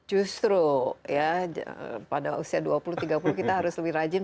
justru ya pada usia dua puluh tiga puluh kita harus lebih rajin